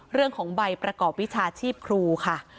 เรื่องของใบประกอบวิชาชีพครูค่ะ